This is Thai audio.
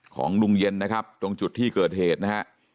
ของลุงเย็นนะครับตรงจุดที่เกิดเหตุนะฮะ